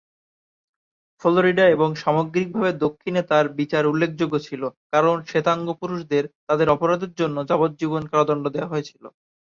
Florida এবং সামগ্রিকভাবে দক্ষিণে তার বিচার উল্লেখযোগ্য ছিল, কারণ শ্বেতাঙ্গ পুরুষদের তাদের অপরাধের জন্য যাবজ্জীবন কারাদণ্ড দেওয়া হয়েছিল।